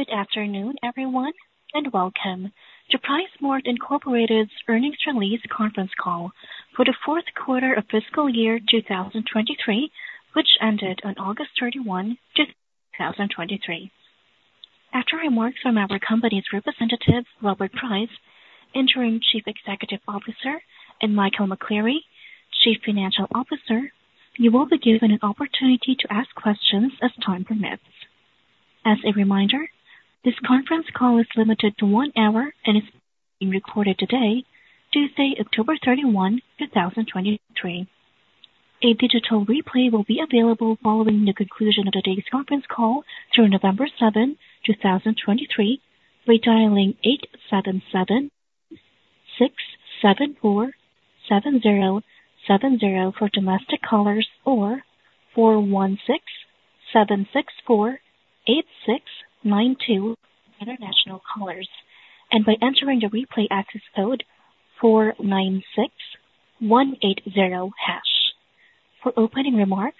Good afternoon, everyone, and welcome to PriceSmart, Inc.'s earnings release conference call for the fourth quarter of fiscal year 2023, which ended on August 31, 2023. After remarks from our company's representative, Robert Price, Interim Chief Executive Officer, and Michael McCleary, Chief Financial Officer, you will be given an opportunity to ask questions as time permits. As a reminder, this conference call is limited to 1 hour and is being recorded today, Tuesday, October 31, 2023. A digital replay will be available following the conclusion of today's conference call through November 7, 2023. By dialing 877-674-7070 for domestic callers or 416-764-8692, international callers, and by entering the replay access code 496180#. For opening remarks,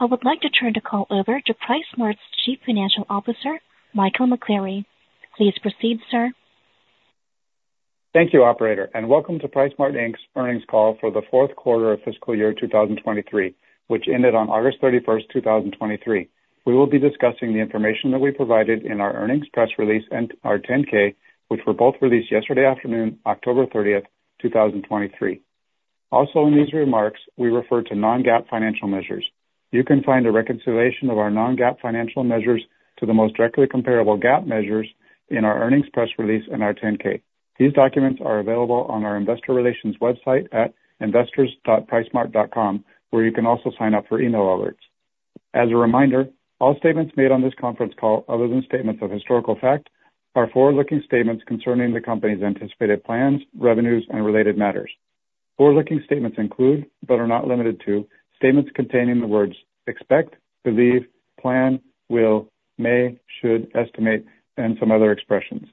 I would like to turn the call over to PriceSmart's Chief Financial Officer, Michael McCleary. Please proceed, sir. Thank you, operator, and welcome to PriceSmart Inc.'s earnings call for the fourth quarter of fiscal year 2023, which ended on August 31, 2023. We will be discussing the information that we provided in our earnings press release and our 10-K, which were both released yesterday afternoon, October 30, 2023. Also, in these remarks, we refer to non-GAAP financial measures. You can find a reconciliation of our non-GAAP financial measures to the most directly comparable GAAP measures in our earnings press release and our 10-K. These documents are available on our investor relations website at investors.pricesmart.com, where you can also sign up for email alerts. As a reminder, all statements made on this conference call, other than statements of historical fact, are forward-looking statements concerning the company's anticipated plans, revenues, and related matters. Forward-looking statements include, but are not limited to, statements containing the words expect, believe, plan, will, may, should, estimate, and some other expressions.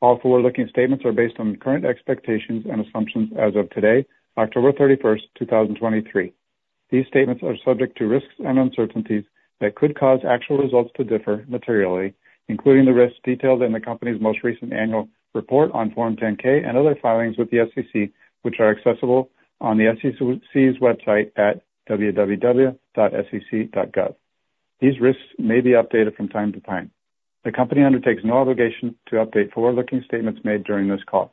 All forward-looking statements are based on current expectations and assumptions as of today, October 31st, 2023. These statements are subject to risks and uncertainties that could cause actual results to differ materially, including the risks detailed in the Company's most recent annual report on Form 10-K and other filings with the SEC, which are accessible on the SEC's website at www.sec.gov. These risks may be updated from time to time. The Company undertakes no obligation to update forward-looking statements made during this call.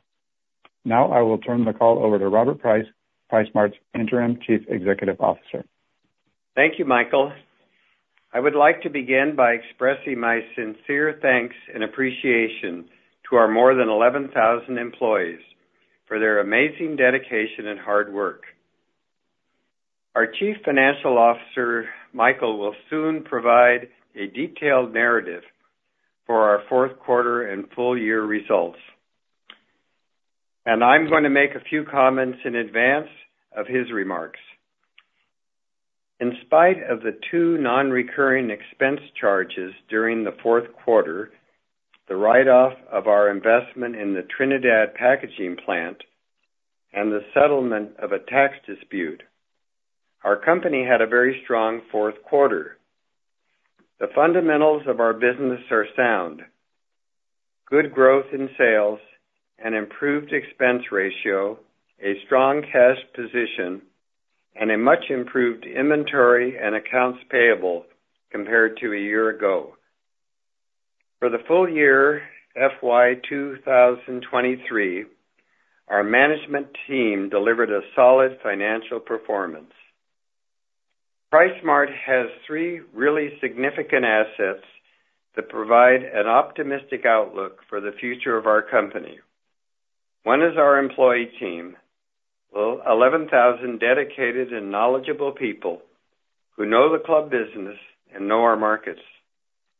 Now, I will turn the call over to Robert Price, PriceSmart's Interim Chief Executive Officer. Thank you, Michael. I would like to begin by expressing my sincere thanks and appreciation to our more than 11,000 employees for their amazing dedication and hard work. Our Chief Financial Officer, Michael, will soon provide a detailed narrative for our fourth quarter and full year results, and I'm going to make a few comments in advance of his remarks. In spite of the two non-recurring expense charges during the fourth quarter, the write-off of our investment in the Trinidad packaging plant, and the settlement of a tax dispute, our company had a very strong fourth quarter. The fundamentals of our business are sound, good growth in sales and improved expense ratio, a strong cash position, and a much improved inventory and accounts payable compared to a year ago. For the full year, FY 2023, our management team delivered a solid financial performance. PriceSmart has three really significant assets that provide an optimistic outlook for the future of our company. One is our employee team, well, 11,000 dedicated and knowledgeable people who know the club business and know our markets.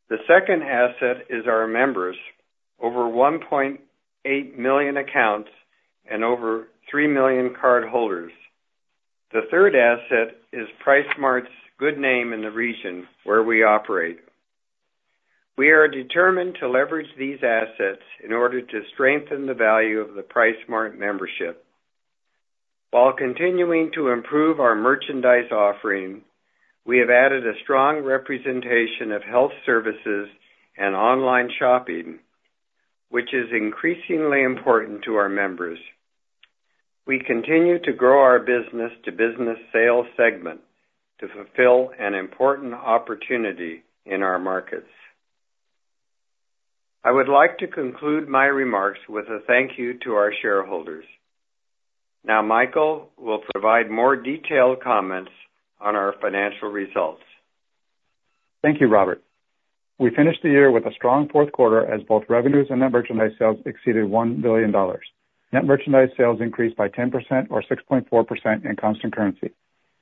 The second asset is our members, over 1.8 million accounts and over 3 million cardholders. The third asset is PriceSmart's good name in the region where we operate. We are determined to leverage these assets in order to strengthen the value of the PriceSmart membership. While continuing to improve our merchandise offering, we have added a strong representation of health services and online shopping, which is increasingly important to our members. We continue to grow our business-to-business sales segment to fulfill an important opportunity in our markets. I would like to conclude my remarks with a thank you to our shareholders. Now, Michael will provide more detailed comments on our financial results. Thank you, Robert. We finished the year with a strong fourth quarter, as both revenues and net merchandise sales exceeded $1 billion. Net merchandise sales increased by 10% or 6.4% in constant currency.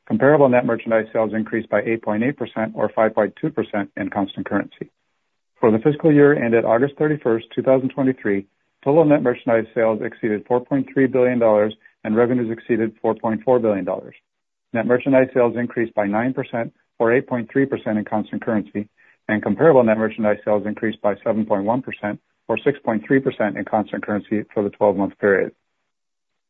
Comparable net merchandise sales increased by 8.8% or 5.2% in constant currency. For the fiscal year ended August 31, 2023, total net merchandise sales exceeded $4.3 billion, and revenues exceeded $4.4 billion. Net merchandise sales increased by 9% or 8.3% in constant currency, and comparable net merchandise sales increased by 7.1% or 6.3% in constant currency for the twelve-month period.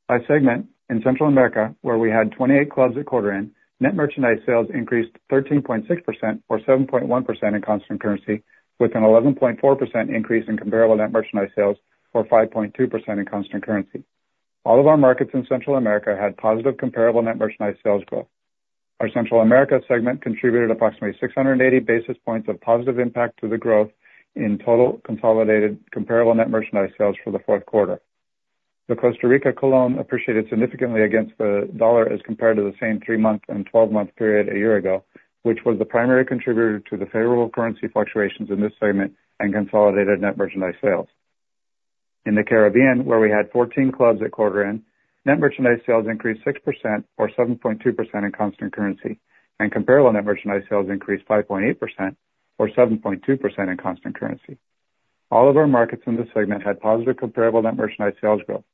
By segment, in Central America, where we had 28 clubs at quarter end, net merchandise sales increased 13.6% or 7.1% in constant currency, with an 11.4% increase in comparable net merchandise sales, or 5.2% in constant currency. All of our markets in Central America had positive comparable net merchandise sales growth. Our Central America segment contributed approximately 680 basis points of positive impact to the growth in total consolidated comparable net merchandise sales for the fourth quarter. The Costa Rican colón appreciated significantly against the U.S., dollar as compared to the same three-month and twelve-month period a year ago, which was the primary contributor to the favorable currency fluctuations in this segment and consolidated net merchandise sales. In the Caribbean, where we had 14 clubs at quarter end, net merchandise sales increased 6% or 7.2% in constant currency, and comparable net merchandise sales increased 5.8% or 7.2% in constant currency. All of our markets in this segment had positive comparable net merchandise sales growth.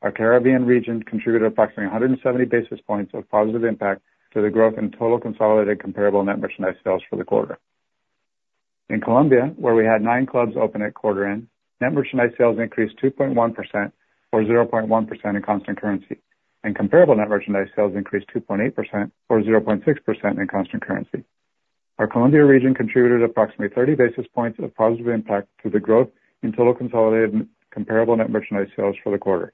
Our Caribbean region contributed approximately 170 basis points of positive impact to the growth in total consolidated comparable net merchandise sales for the quarter. In Colombia, where we had 9 clubs open at quarter end, net merchandise sales increased 2.1% or 0.1% in constant currency, and comparable net merchandise sales increased 2.8% or 0.6% in constant currency. Our Colombia region contributed approximately 30 basis points of positive impact to the growth in total consolidated comparable net merchandise sales for the quarter.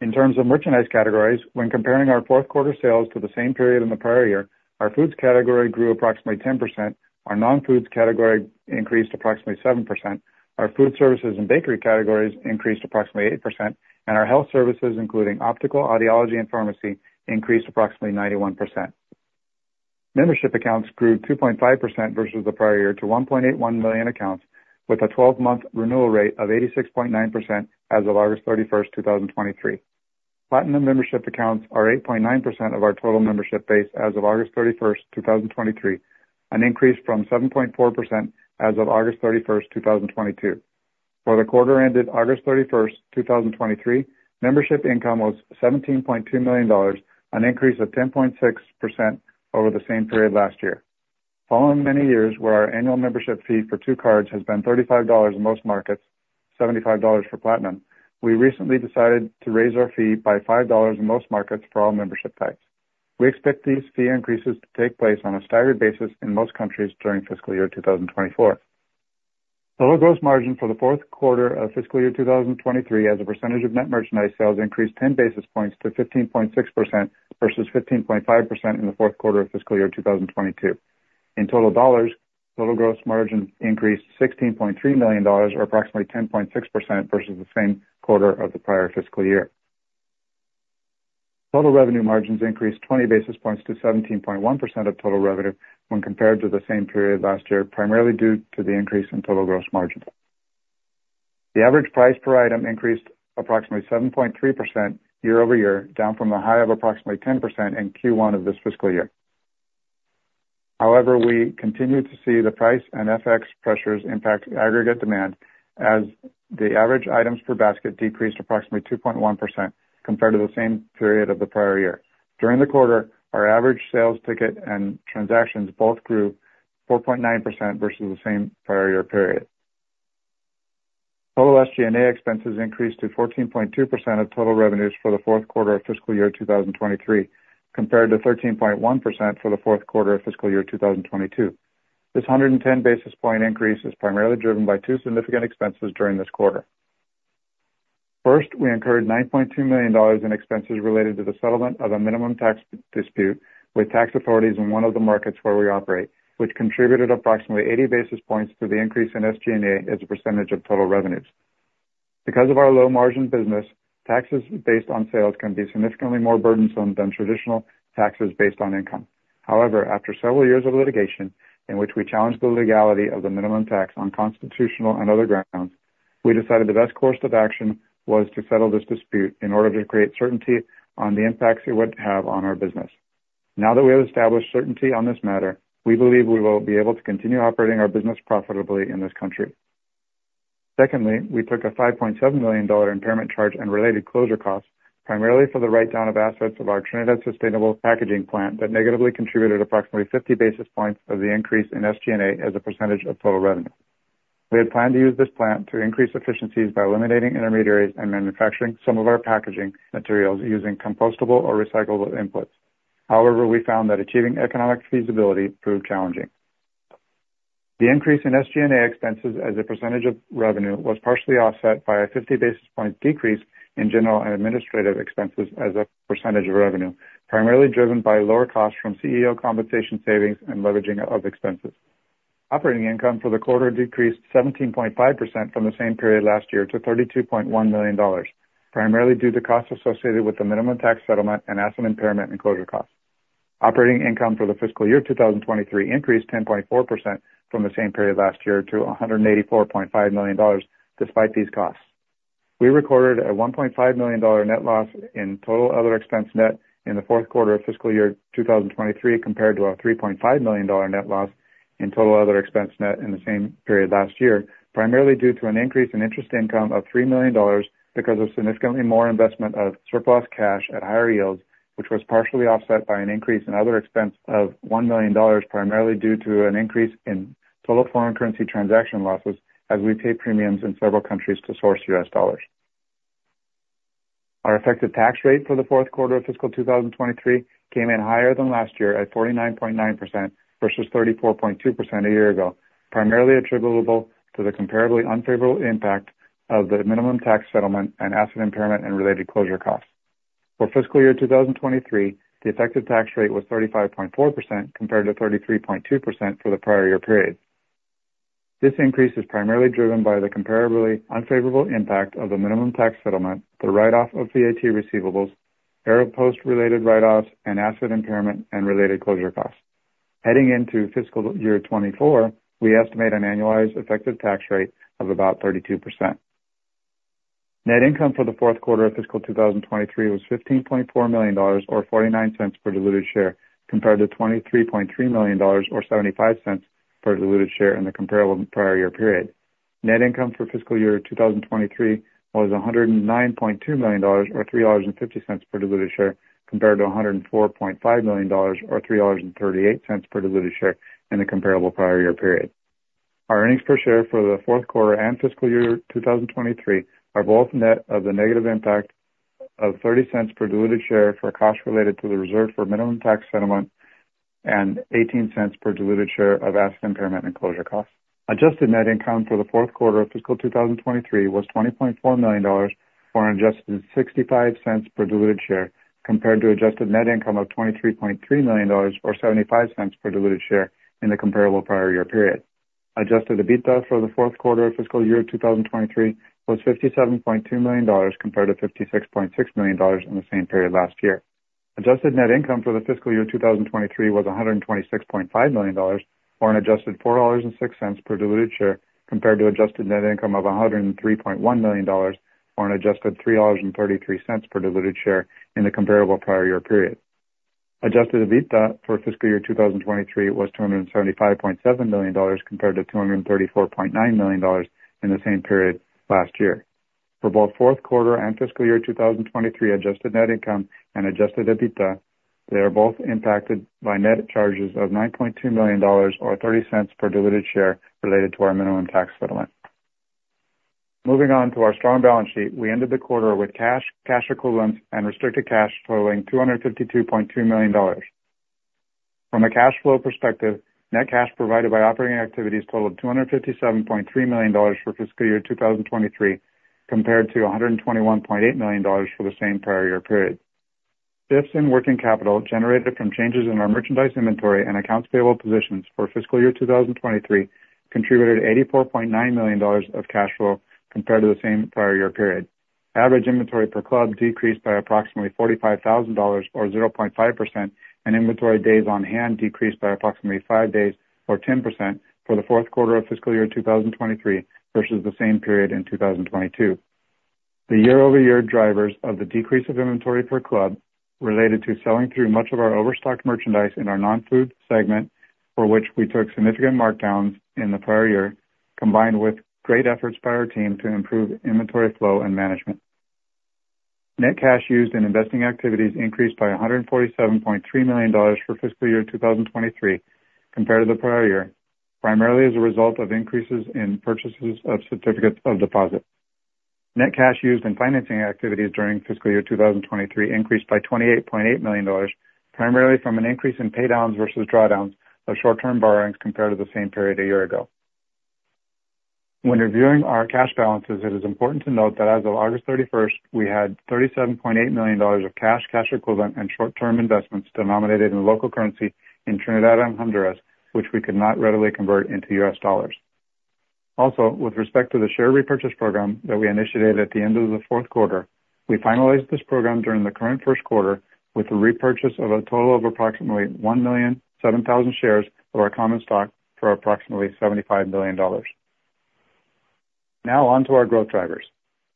In terms of merchandise categories, when comparing our fourth quarter sales to the same period in the prior year, our foods category grew approximately 10%, our non-foods category increased approximately 7%, our food services and bakery categories increased approximately 8%, and our health services, including optical, audiology, and pharmacy, increased approximately 91%. Membership accounts grew 2.5% versus the prior year to 1.81 million accounts, with a 12-month renewal rate of 86.9% as of August 31, 2023. Platinum Membership accounts are 8.9% of our total membership base as of August 31, 2023, an increase from 7.4% as of August 31, 2022. For the quarter ended August 31, 2023, membership income was $17.2 million, an increase of 10.6% over the same period last year. Following many years where our annual membership fee for two cards has been $35 in most markets, $75 for Platinum Membership, we recently decided to raise our fee by $5 in most markets for all membership types. We expect these fee increases to take place on a staggered basis in most countries during fiscal year 2024. Total Gross Margin for the fourth quarter of fiscal year 2023, as a percentage of net merchandise sales, increased 10 basis points to 15.6% versus 15.5% in the fourth quarter of fiscal year 2022. In total dollars, total Gross Margin increased $16.3 million or approximately 10.6% versus the same quarter of the prior fiscal year. Total revenue margins increased 20 basis points to 17.1% of total revenue when compared to the same period last year, primarily due to the increase in total Gross Margin. The average price per item increased approximately 7.3% year-over-year, down from a high of approximately 10% in Q1 of this fiscal year. However, we continued to see the price and FX pressures impact aggregate demand as the average items per basket decreased approximately 2.1% compared to the same period of the prior year. During the quarter, our average sales ticket and transactions both grew 4.9% versus the same prior year period. Total SG&A expenses increased to 14.2% of total revenues for the fourth quarter of fiscal year 2023, compared to 13.1% for the fourth quarter of fiscal year 2022. This 110 basis points increase is primarily driven by two significant expenses during this quarter. First, we incurred $9.2 million in expenses related to the settlement of a minimum tax dispute with tax authorities in one of the markets where we operate, which contributed approximately 80 basis points to the increase in SG&A as a percentage of total revenues. Because of our low margin business, taxes based on sales can be significantly more burdensome than traditional taxes based on income. However, after several years of litigation in which we challenged the legality of the minimum tax on constitutional and other grounds, we decided the best course of action was to settle this dispute in order to create certainty on the impacts it would have on our business. Now that we have established certainty on this matter, we believe we will be able to continue operating our business profitably in this country. Secondly, we took a $5.7 million impairment charge and related closure costs, primarily for the write-down of assets of our Trinidad sustainable packaging plant that negatively contributed approximately 50 basis points of the increase in SG&A as a percentage of total revenue. We had planned to use this plant to increase efficiencies by eliminating intermediaries and manufacturing some of our packaging materials using compostable or recyclable inputs. However, we found that achieving economic feasibility proved challenging. The increase in SG&A expenses as a percentage of revenue was partially offset by a 50 basis point decrease in general and administrative expenses as a percentage of revenue, primarily driven by lower costs from CEO compensation savings and leveraging of expenses. Operating income for the quarter decreased 17.5% from the same period last year to $32.1 million, primarily due to costs associated with the minimum tax settlement and asset impairment and closure costs. Operating income for the fiscal year 2023 increased 10.4% from the same period last year to $184.5 million despite these costs. We recorded a $1.5 million net loss in total other expense net in the fourth quarter of fiscal year 2023, compared to our $3.5 million net loss in total other expense net in the same period last year, primarily due to an increase in interest income of $3 million because of significantly more investment of surplus cash at higher yields, which was partially offset by an increase in other expense of $1 million, primarily due to an increase in total foreign currency transaction losses as we pay premiums in several countries to source U.S. dollars. Our effective tax rate for the fourth quarter of fiscal 2023 came in higher than last year at 49.9% versus 34.2% a year ago, primarily attributable to the comparably unfavorable impact of the minimum tax settlement and asset impairment and related closure costs. For fiscal year 2023, the effective tax rate was 35.4% compared to 33.2% for the prior year period. This increase is primarily driven by the comparably unfavorable impact of the minimum tax settlement, the write-off of VAT receivables, Aeropost-related write-offs, and asset impairment and related closure costs. Heading into fiscal year 2024, we estimate an annualized effective tax rate of about 32%. Net income for the fourth quarter of fiscal 2023 was $15.4 million or $0.49 per diluted share, compared to $23.3 million or $0.75 per diluted share in the comparable prior year period. Net income for fiscal year 2023 was $109.2 million or $3.50 per diluted share, compared to $104.5 million or $3.38 per diluted share in the comparable prior year period. Our earnings per share for the fourth quarter and fiscal year 2023 are both net of the negative impact of $0.30 per diluted share for costs related to the reserve for minimum tax settlement and $0.18 per diluted share of asset impairment and closure costs. Adjusted net income for the fourth quarter of fiscal 2023 was $20.4 million, or an adjusted $0.65 per diluted share, compared to adjusted net income of $23.3 million or $0.75 per diluted share in the comparable prior year period. Adjusted EBITDA for the fourth quarter of fiscal year 2023 was $57.2 million compared to $56.6 million in the same period last year. Adjusted net income for the fiscal year 2023 was $126.5 million, or an adjusted $4.06 per diluted share, compared to adjusted net income of $103.1 million or an adjusted $3.33 per diluted share in the comparable prior year period. Adjusted EBITDA for fiscal year 2023 was $275.7 million compared to $234.9 million in the same period last year. For both fourth quarter and fiscal year 2023, adjusted net income and adjusted EBITDA, they are both impacted by net charges of $9.2 million or $0.30 per diluted share related to our minimum tax settlement. Moving on to our strong balance sheet. We ended the quarter with cash, cash equivalents, and restricted cash totaling $252.2 million. From a cash flow perspective, net cash provided by operating activities totaled $257.3 million for fiscal year 2023, compared to $121.8 million for the same prior year period. This, in working capital, generated from changes in our merchandise inventory and accounts payable positions for fiscal year 2023, contributed $84.9 million of cash flow compared to the same prior year period. Average inventory per club decreased by approximately $45,000, or 0.5%, and inventory days on hand decreased by approximately 5 days, or 10%, for the fourth quarter of fiscal year 2023 versus the same period in 2022. The year-over-year drivers of the decrease of inventory per club related to selling through much of our overstocked merchandise in our non-food segment, for which we took significant markdowns in the prior year, combined with great efforts by our team to improve inventory flow and management. Net cash used in investing activities increased by $147.3 million for fiscal year 2023 compared to the prior year, primarily as a result of increases in purchases of certificates of deposit. Net cash used in financing activities during fiscal year 2023 increased by $28.8 million, primarily from an increase in paydowns versus drawdowns of short-term borrowings compared to the same period a year ago. When reviewing our cash balances, it is important to note that as of August 31, we had $37.8 million of cash, cash equivalent and short-term investments denominated in local currency in Trinidad and Honduras, which we could not readily convert into U.S., dollars. Also, with respect to the share repurchase program that we initiated at the end of the fourth quarter, we finalized this program during the current first quarter with a repurchase of a total of approximately 1,007,000 shares of our common stock for approximately $75 million. Now on to our growth drivers.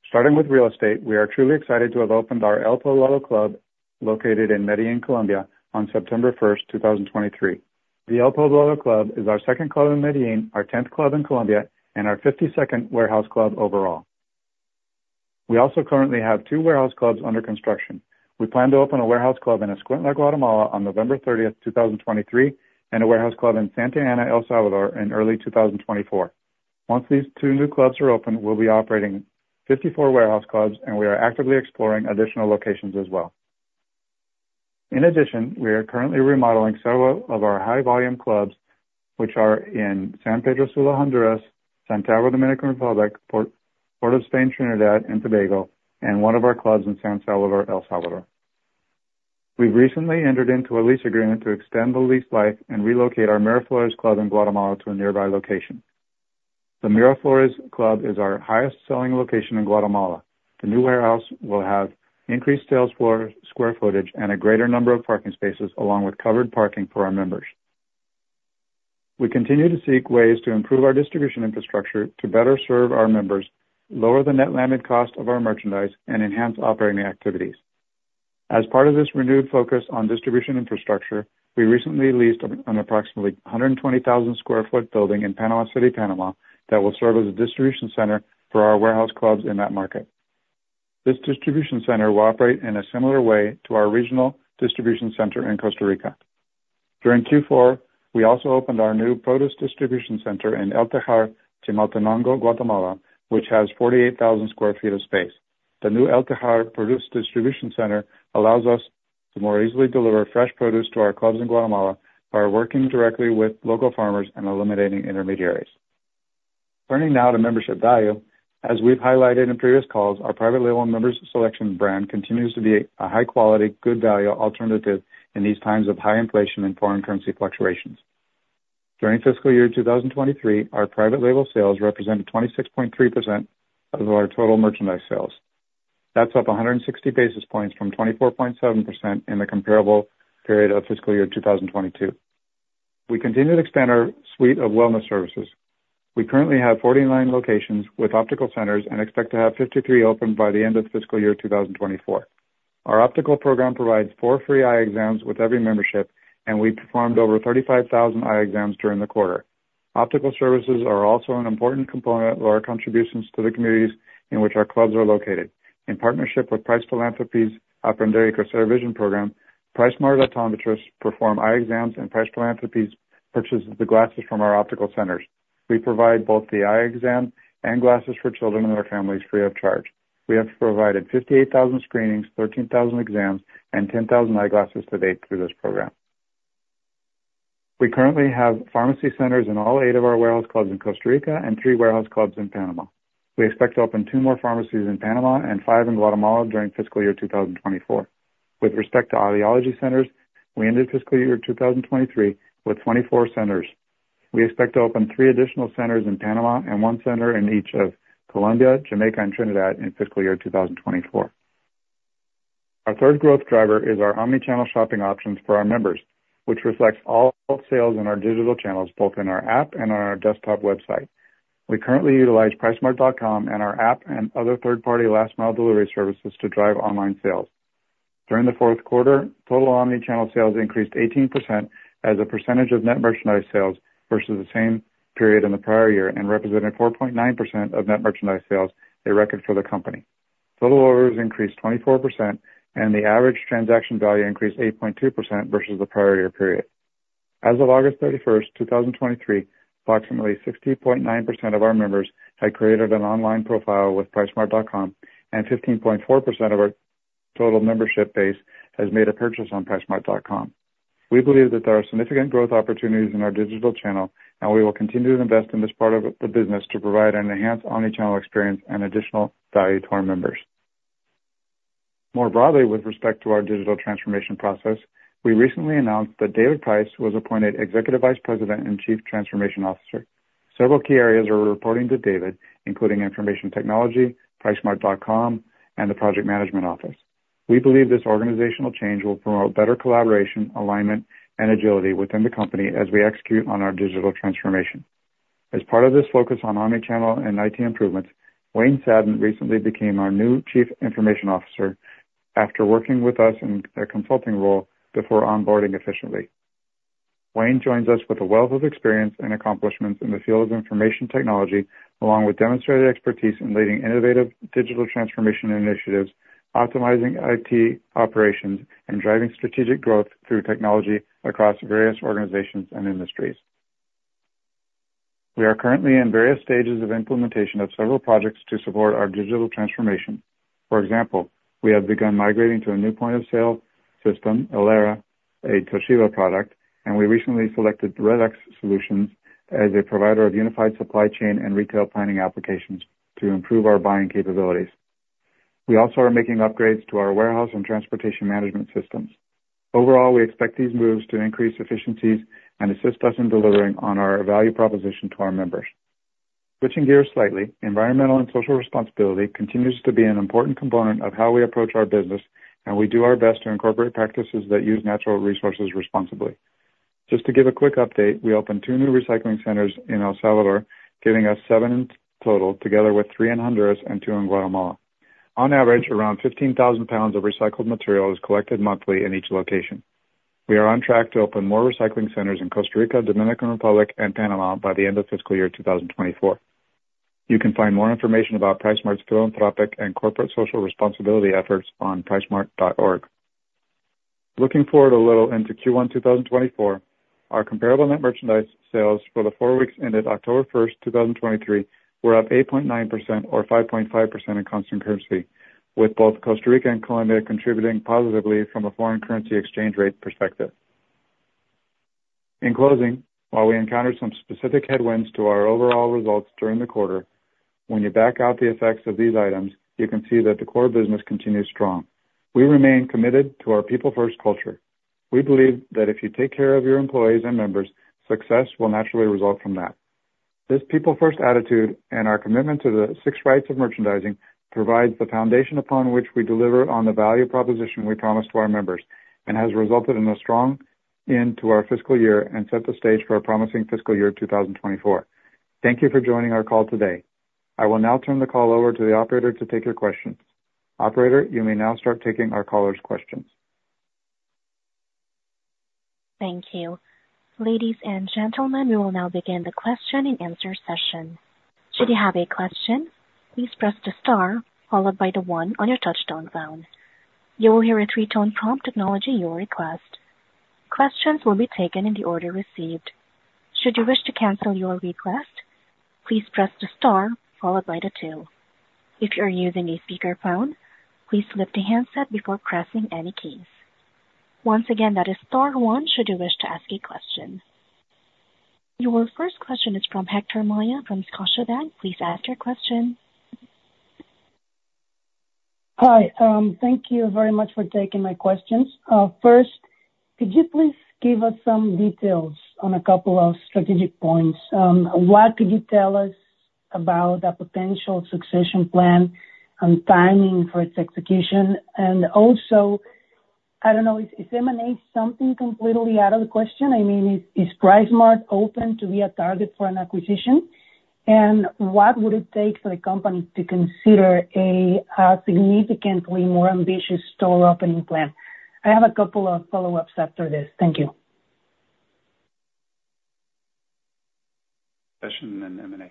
Starting with real estate, we are truly excited to have opened our El Poblado Club, located in Medellín, Colombia, on September first, 2023. The El Poblado Club is our second club in Medellín, our tenth club in Colombia, and our fifty-second warehouse club overall. We also currently have two warehouse clubs under construction. We plan to open a warehouse club in Escuintla, Guatemala, on November thirtieth, 2023, and a warehouse club in Santa Ana, El Salvador, in early 2024. Once these two new clubs are open, we'll be operating 54 warehouse clubs, and we are actively exploring additional locations as well. In addition, we are currently remodeling several of our high-volume clubs, which are in San Pedro Sula, Honduras, Santiago, Dominican Republic, Port of Spain, Trinidad and Tobago, and one of our clubs in San Salvador, El Salvador. We recently entered into a lease agreement to extend the lease life and relocate our Miraflores club in Guatemala to a nearby location. The Miraflores club is our highest-selling location in Guatemala. The new warehouse will have increased sales floor, square footage, and a greater number of parking spaces, along with covered parking for our members. We continue to seek ways to improve our distribution infrastructure to better serve our members, lower the net landed cost of our merchandise, and enhance operating activities. As part of this renewed focus on distribution infrastructure, we recently leased an approximately 120,000 sq ft building in Panama City, Panama, that will serve as a distribution center for our warehouse clubs in that market.... This distribution center will operate in a similar way to our regional distribution center in Costa Rica. During Q4, we also opened our new produce distribution center in El Tejar, Chimaltenango, Guatemala, which has 48,000 sq ft of space. The new El Tejar produce distribution center allows us to more easily deliver fresh produce to our clubs in Guatemala by working directly with local farmers and eliminating intermediaries. Turning now to membership value. As we've highlighted in previous calls, our private label Member's Selection brand continues to be a high quality, good value alternative in these times of high inflation and foreign currency fluctuations. During fiscal year 2023, our private label sales represented 26.3% of our total merchandise sales. That's up 160 basis points from 24.7% in the comparable period of fiscal year 2022. We continue to expand our suite of wellness services. We currently have 49 locations with optical centers, and expect to have 53 open by the end of fiscal year 2024. Our optical program provides 4 free eye exams with every membership, and we performed over 35,000 eye exams during the quarter. Optical services are also an important component of our contributions to the communities in which our clubs are located. In partnership with Price Philanthropies' Aprender a Crecer vision program, PriceSmart optometrists perform eye exams, and Price Philanthropies purchases the glasses from our optical centers. We provide both the eye exam and glasses for children and their families free of charge. We have provided 58,000 screenings, 13,000 exams, and 10,000 eyeglasses to date through this program. We currently have pharmacy centers in all 8 of our warehouse clubs in Costa Rica and 3 warehouse clubs in Panama. We expect to open 2 more pharmacies in Panama and 5 in Guatemala during fiscal year 2024. With respect to audiology centers, we ended fiscal year 2023 with 24 centers. We expect to open 3 additional centers in Panama and 1 center in each of Colombia, Jamaica, and Trinidad in fiscal year 2024. Our third growth driver is our omnichannel shopping options for our members, which reflects all sales in our digital channels, both in our app and on our desktop website. We currently utilize pricesmart.com and our app and other third-party last mile delivery services to drive online sales. During the fourth quarter, total omnichannel sales increased 18% as a percentage of net merchandise sales versus the same period in the prior year and represented 4.9% of net merchandise sales they record for the company. Total orders increased 24%, and the average transaction value increased 8.2% versus the prior year period. As of August 31, 2023, approximately 60.9% of our members had created an online profile with pricesmart.com, and 15.4% of our total membership base has made a purchase on pricesmart.com. We believe that there are significant growth opportunities in our digital channel, and we will continue to invest in this part of the business to provide an enhanced omnichannel experience and additional value to our members. More broadly, with respect to our digital transformation process, we recently announced that David Price was appointed Executive Vice President and Chief Transformation Officer. Several key areas are reporting to David, including information technology, pricesmart.com, and the project management office. We believe this organizational change will promote better collaboration, alignment, and agility within the company as we execute on our digital transformation. As part of this focus on omnichannel and IT improvements, Wayne Sadin recently became our new Chief Information Officer after working with us in a consulting role before onboarding efficiently. Wayne joins us with a wealth of experience and accomplishments in the field of information technology, along with demonstrated expertise in leading innovative digital transformation initiatives, optimizing IT operations, and driving strategic growth through technology across various organizations and industries. We are currently in various stages of implementation of several projects to support our digital transformation. For example, we have begun migrating to a new point-of-sale system, ELERA, a Toshiba product, and we recently selected Relex Solutions as a provider of unified supply chain and retail planning applications to improve our buying capabilities. We also are making upgrades to our warehouse and transportation management systems. Overall, we expect these moves to increase efficiencies and assist us in delivering on our value proposition to our members. Switching gears slightly, environmental and social responsibility continues to be an important component of how we approach our business, and we do our best to incorporate practices that use natural resources responsibly. Just to give a quick update, we opened two new recycling centers in El Salvador, giving us seven in total, together with three in Honduras and two in Guatemala. On average, around 15,000 pounds of recycled material is collected monthly in each location. We are on track to open more recycling centers in Costa Rica, Dominican Republic, and Panama by the end of fiscal year 2024. You can find more information about PriceSmart's philanthropic and corporate social responsibility efforts on pricesmart.com. Looking forward a little into Q1 2024, our Comparable Net Merchandise Sales for the four weeks ended October 1, 2023, were up 8.9% or 5.5% in Constant Currency, with both Costa Rica and Colombia contributing positively from a foreign currency exchange rate perspective. In closing, while we encountered some specific headwinds to our overall results during the quarter, when you back out the effects of these items, you can see that the core business continues strong. We remain committed to our people-first culture. We believe that if you take care of your employees and members, success will naturally result from that. This people-first attitude and our commitment to the six rights of merchandising provides the foundation upon which we deliver on the value proposition we promise to our members, and has resulted in a strong end to our fiscal year and set the stage for a promising fiscal year 2024. Thank you for joining our call today. I will now turn the call over to the operator to take your questions. Operator, you may now start taking our callers' questions. Thank you. Ladies and gentlemen, we will now begin the question and answer session. Should you have a question, please press the * followed by the one on your touchtone phone. You will hear a three-tone prompt acknowledging your request. Questions will be taken in the order received. Should you wish to cancel your request, please press the * followed by the two. If you're using a speakerphone, please lift the handset before pressing any keys. Once again, that is * one, should you wish to ask a question. Your first question is from Héctor Maya from Scotiabank. Please ask your question. Hi. Thank you very much for taking my questions. First, could you please give us some details on a couple of strategic points? What could you tell us about the potential succession plan and timing for its execution? And also, I don't know, is M&A something completely out of the question? I mean, is PriceSmart open to be a target for an acquisition? And what would it take for the company to consider a significantly more ambitious store opening plan? I have a couple of follow-ups after this. Thank you.... Question in M&A.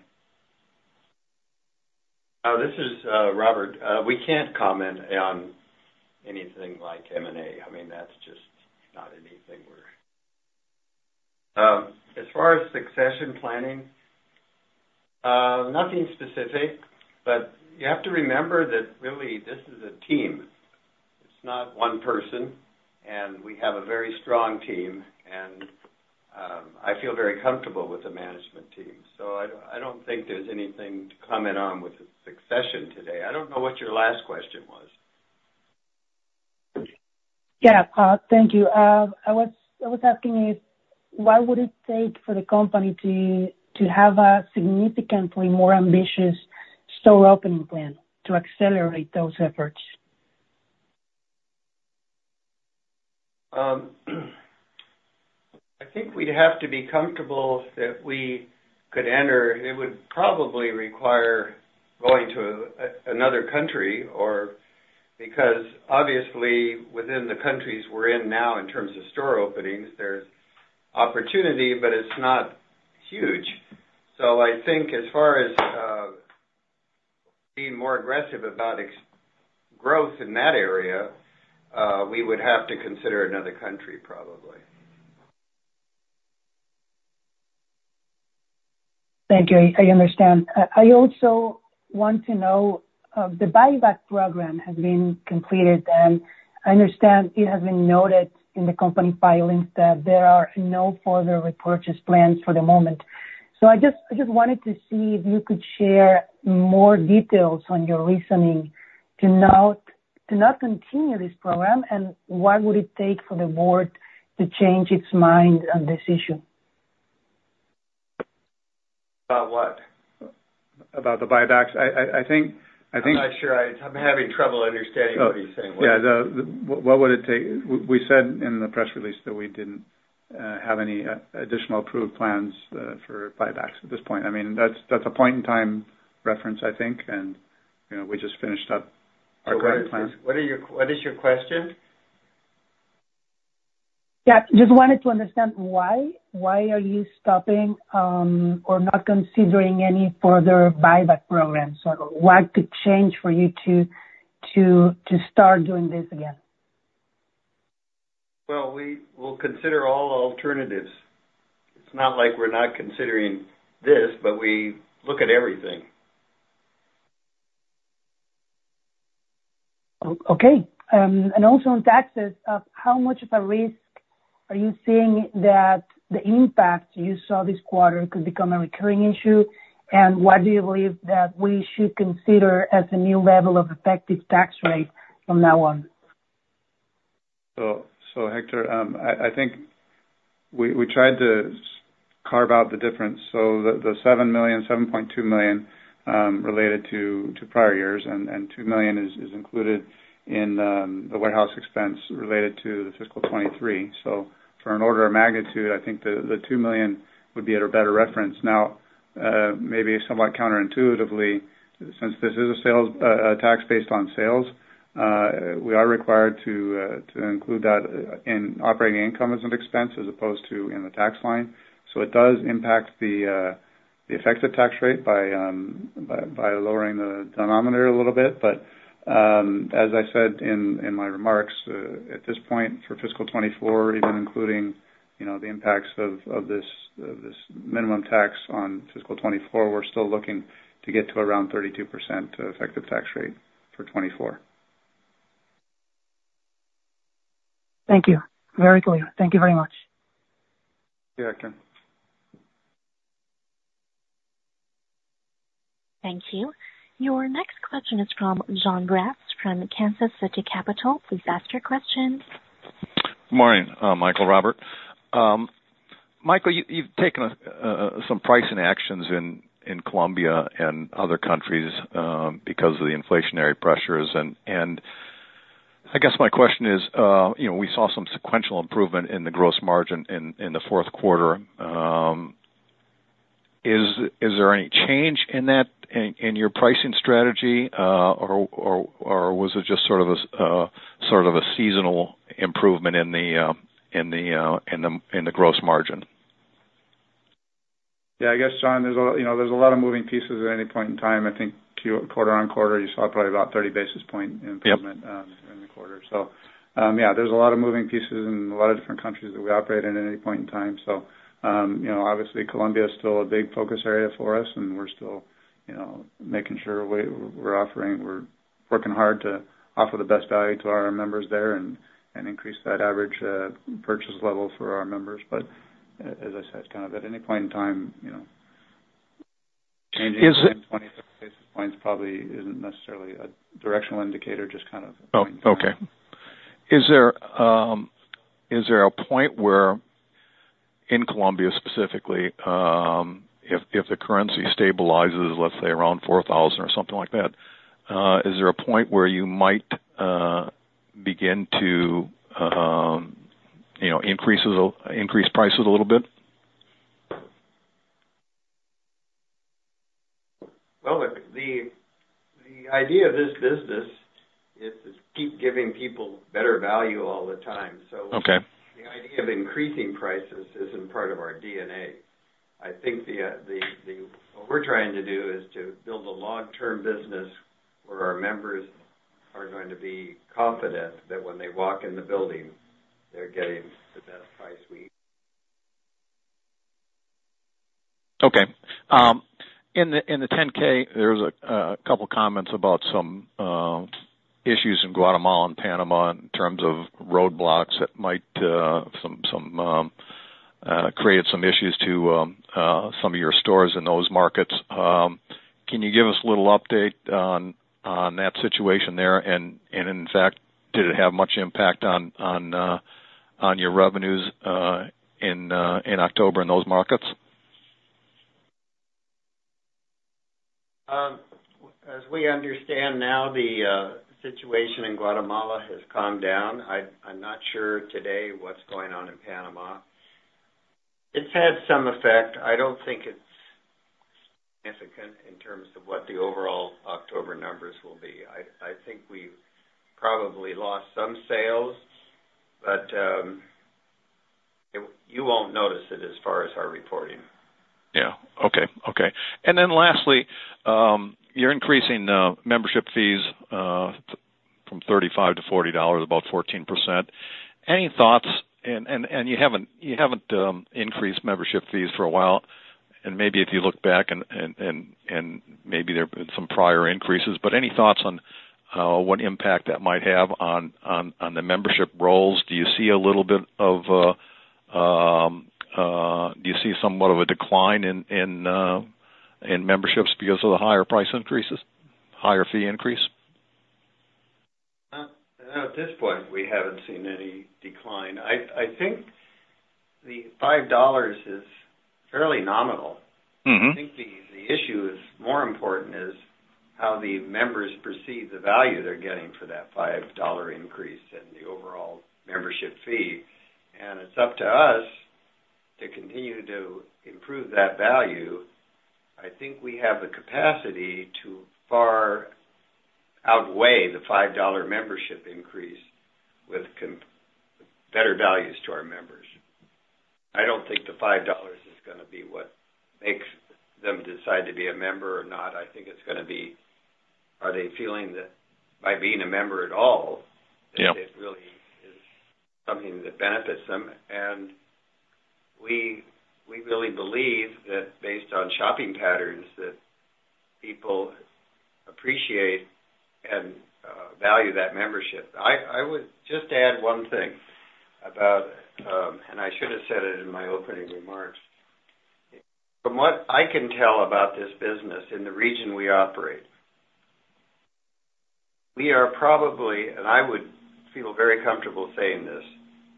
This is Robert. We can't comment on anything like M&A. I mean, that's just not anything we're... As far as succession planning, nothing specific, but you have to remember that really this is a team. It's not one person, and we have a very strong team, and I feel very comfortable with the management team. So I don't, I don't think there's anything to comment on with the succession today. I don't know what your last question was. Yeah. Thank you. I was asking you what would it take for the company to have a significantly more ambitious store opening plan to accelerate those efforts? I think we'd have to be comfortable that we could enter. It would probably require going to another country, or because obviously within the countries we're in now, in terms of store openings, there's opportunity, but it's not huge. So I think as far as being more aggressive about growth in that area, we would have to consider another country, probably. Thank you. I understand. I also want to know, the buyback program has been completed, and I understand it has been noted in the company filings that there are no further repurchase plans for the moment. So I just, I just wanted to see if you could share more details on your reasoning to not, to not continue this program, and what would it take for the board to change its mind on this issue? About what? About the buybacks? I think- I'm not sure. I, I'm having trouble understanding what he's saying. Yeah, what would it take? We said in the press release that we didn't have any additional approved plans for buybacks at this point. I mean, that's a point in time reference, I think, and, you know, we just finished up our current plans. What are your... What is your question? Yeah, just wanted to understand why are you stopping, or not considering any further buyback program? So what could change for you to start doing this again? Well, we will consider all alternatives. It's not like we're not considering this, but we look at everything. Okay. And also on taxes, how much of a risk are you seeing that the impact you saw this quarter could become a recurring issue? And what do you believe that we should consider as a new level of effective tax rate from now on? So, Héctor, I think we tried to carve out the difference. So the seven million, $7.2 million, related to prior years, and $2 million is included in the warehouse expense related to the fiscal 2023. So for an order of magnitude, I think the $2 million would be at a better reference. Now, maybe somewhat counterintuitively, since this is a sales tax based on sales, we are required to include that in operating income as an expense as opposed to in the tax line. So it does impact the effective tax rate by lowering the denominator a little bit. But, as I said in my remarks, at this point, for fiscal 2024, even including, you know, the impacts of this minimum tax on fiscal 2024, we're still looking to get to around 32% effective tax rate for 2024. Thank you. Very clear. Thank you very much. Yeah, Hector. Thank you. Your next question is from Jon Braatz, from Kansas City Capital. Please ask your question. Good morning, Michael, Robert. Michael, you've taken some pricing actions in Colombia and other countries because of the inflationary pressures. I guess my question is, you know, we saw some sequential improvement in the gross margin in the fourth quarter. Is there any change in that, in your pricing strategy, or was it just sort of a seasonal improvement in the gross margin? Yeah, I guess, Jon, there's a, you know, there's a lot of moving pieces at any point in time. I think quarter-over-quarter, you saw probably about 30 basis point improvement- Yep. in the quarter. So, yeah, there's a lot of moving pieces in a lot of different countries that we operate in at any point in time. So, you know, obviously, Colombia is still a big focus area for us, and we're still, you know, making sure we're offering, we're working hard to offer the best value to our members there and increase that average purchase level for our members. But as I said, kind of at any point in time, you know, changing- Is it- 20-30 basis points probably isn't necessarily a directional indicator, just kind of- Oh, okay. Is there a point where in Colombia, specifically, if the currency stabilizes, let's say, around 4,000 or something like that, is there a point where you might begin to, you know, increase prices a little bit? Well, look, the idea of this business is to keep giving people better value all the time, so- Okay. The idea of increasing prices isn't part of our DNA. I think what we're trying to do is to build a long-term business where our members are going to be confident that when they walk in the building, they're getting the best price we... Okay. In the 10-K, there was a couple comments about some issues in Guatemala and Panama in terms of roadblocks that might some created some issues to some of your stores in those markets. Can you give us a little update on that situation there? And in fact, did it have much impact on your revenues in October in those markets? As we understand now, the situation in Guatemala has calmed down. I'm not sure today what's going on in Panama. It's had some effect. I don't think it's significant in terms of what the overall October numbers will be. I think we've probably lost some sales, but you won't notice it as far as our reporting. Yeah. Okay. Okay. And then lastly, you're increasing membership fees from $35 to $40, about 14%. Any thoughts? And you haven't increased membership fees for a while, and maybe if you look back and maybe there have been some prior increases, but any thoughts on what impact that might have on the membership rolls? Do you see a little bit of do you see somewhat of a decline in memberships because of the higher price increases, higher fee increase? At this point, we haven't seen any decline. I think the $5 is fairly nominal. Mm-hmm. I think the issue is more important is how the members perceive the value they're getting for that $5 increase and the overall membership fee, and it's up to us to continue to improve that value. I think we have the capacity to far outweigh the $5 membership increase with better values to our members. I don't think the $5 is gonna be what makes them decide to be a member or not. I think it's gonna be, are they feeling that by being a member at all- Yeah. It really is something that benefits them. And we, we really believe that based on shopping patterns, that people appreciate and value that membership. I, I would just add one thing about, and I should have said it in my opening remarks. From what I can tell about this business in the region we operate, we are probably, and I would feel very comfortable saying this,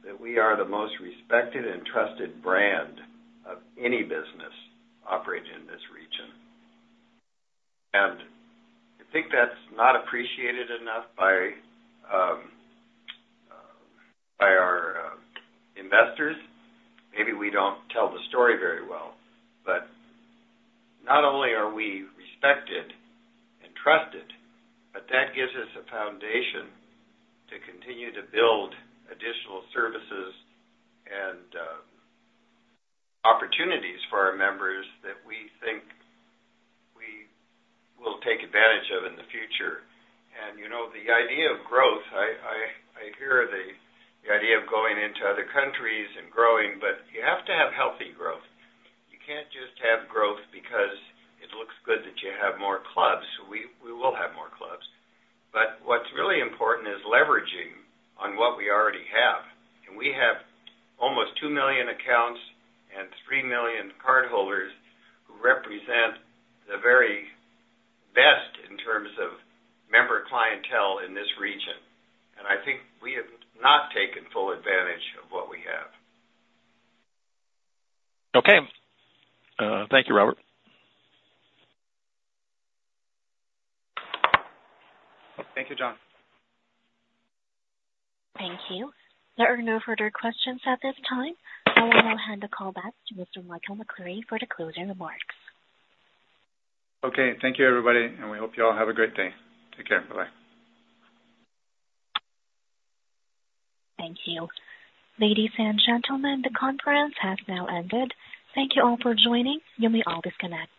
that we are the most respected and trusted brand of any business operating in this region. And I think that's not appreciated enough by by our investors. Maybe we don't tell the story very well, but not only are we respected and trusted, but that gives us a foundation to continue to build additional services and opportunities for our members that we think we will take advantage of in the future. You know, the idea of growth, I hear the idea of going into other countries and growing, but you have to have healthy growth. You can't just have growth because it looks good that you have more clubs. We will have more clubs, but what's really important is leveraging on what we already have. And we have almost 2 million accounts and 3 million cardholders who represent the very best in terms of member clientele in this region. And I think we have not taken full advantage of what we have. Okay. Thank you, Robert. Thank you, Jon. Thank you. There are no further questions at this time. I will now hand the call back to Mr. Michael McCleary for the closing remarks. Okay. Thank you, everybody, and we hope you all have a great day. Take care. Bye-bye. Thank you. Ladies and gentlemen, the conference has now ended. Thank you all for joining. You may all disconnect.